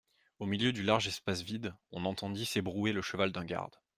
Au milieu du large espace vide, on entendit s'ébrouer le cheval d'un garde.